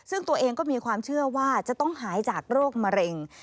ซึ่งตัวเองก็มีความเชื่อว่าจะต้องหายจากโรคมะเร็ง